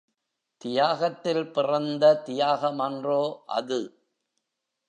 தியாகத்தில் பிறந்த தியாகமன்றோ அது!